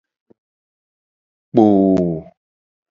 Kpoo.